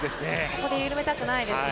ここで緩めたくないですね。